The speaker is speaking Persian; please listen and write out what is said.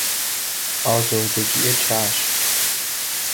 آزردگی چشم